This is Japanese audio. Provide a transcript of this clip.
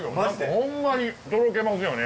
ホンマにとろけますよね。